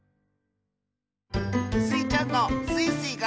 スイちゃんの「スイスイ！がんばるぞ」